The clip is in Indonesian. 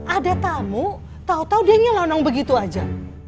ada tamu tau tau dia nyelonong begitu aja